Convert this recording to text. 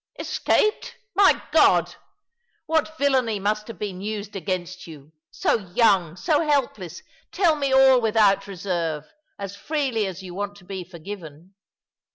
"Escaped! My God! What villainy mnst have been used against you — so yonng, so helpless! Tell me all — without reserve — as freely as yon want to be forgiven."